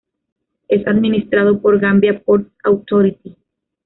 Es administrado por Gambia Ports Authority.